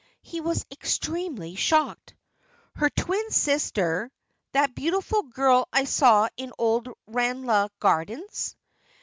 He was extremely shocked. "Her twin sister that beautiful girl I saw in Old Ranelagh gardens?"